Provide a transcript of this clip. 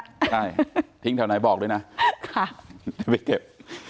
ใช่ทิ้งแถวไหนบอกด้วยนะจะไปเก็บ